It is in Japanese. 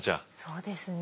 そうですね。